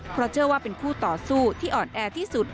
เพราะเชื่อว่าเป็นคู่ต่อสู้ที่อ่อนแอที่สุด